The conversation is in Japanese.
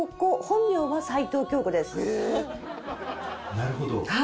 なるほど。